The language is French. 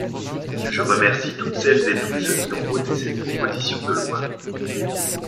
Je remercie toutes celles et tous ceux qui ont voté cette proposition de loi.